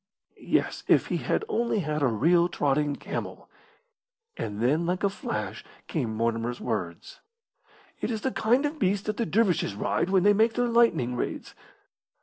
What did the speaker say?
Yes, if he had only had a real trotting camel! And then like a flash came Mortimer's words, "It is the kind of beast that the dervishes ride when they make their lightning raids."